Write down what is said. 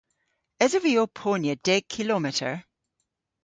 Esov vy ow ponya deg kilometer?